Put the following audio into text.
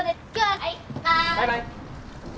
はい。